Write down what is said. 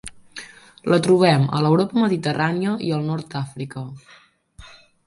La trobem a l'Europa Mediterrània i al nord d'Àfrica.